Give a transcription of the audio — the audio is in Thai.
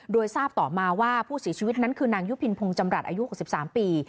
โดยทราบต่อมาว่าผู้ศิษย์ชีวิตนั้นคือนางยุพินพงษ์จำรัฐอายุกว่าสิบสามปี